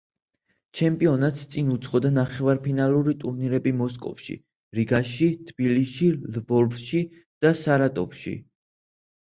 ჩემპიონატს წინ უძღოდა ნახევარფინალური ტურნირები მოსკოვში, რიგაში, თბილისში, ლვოვში და სარატოვში.